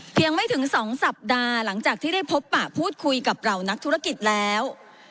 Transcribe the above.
ไม่ถึง๒สัปดาห์หลังจากที่ได้พบปะพูดคุยกับเหล่านักธุรกิจแล้ว